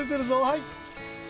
はい！